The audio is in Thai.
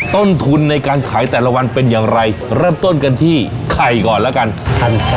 ต้นทุนในการขายแต่ละวันเป็นอย่างไรเริ่มต้นกันที่ไข่ก่อนแล้วกัน